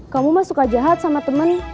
kamu mah suka jahat sama temen